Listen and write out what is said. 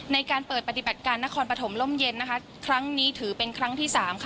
ในการเปิดปฏิบัติการนครปฐมล่มเย็นนะคะครั้งนี้ถือเป็นครั้งที่๓ค่ะ